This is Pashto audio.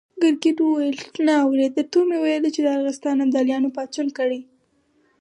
ګرګين وويل: نه اورې! درته ومې ويل چې د ارغستان ابداليانو پاڅون کړی.